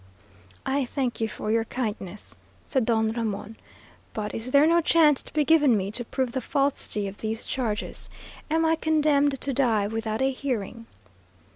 "I thank you for your kindness," said Don Ramon, "but is there no chance to be given me to prove the falsity of these charges? Am I condemned to die without a hearing?"